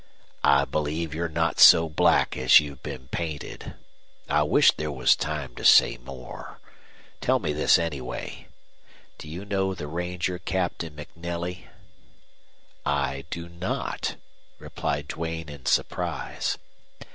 "I believe you're not so black as you've been painted. I wish there was time to say more. Tell me this, anyway. Do you know the Ranger Captain MacNelly?" "I do not," replied Duane, in surprise.